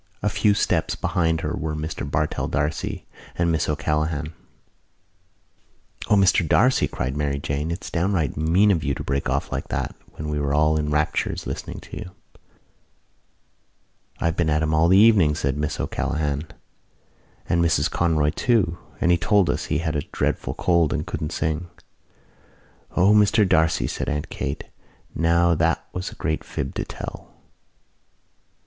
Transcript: A few steps behind her were Mr Bartell D'Arcy and Miss O'Callaghan. "O, Mr D'Arcy," cried Mary Jane, "it's downright mean of you to break off like that when we were all in raptures listening to you." "I have been at him all the evening," said Miss O'Callaghan, "and Mrs Conroy too and he told us he had a dreadful cold and couldn't sing." "O, Mr D'Arcy," said Aunt Kate, "now that was a great fib to tell."